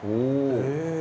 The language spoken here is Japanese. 「へえ」